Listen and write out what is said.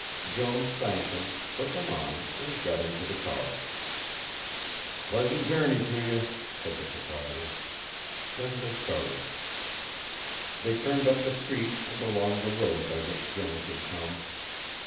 Jones thanked him, put them on, and got into the car. "Pleasant journey to you," said the proprietor. Then they started. They turned up the street and along the road by which Jones had come.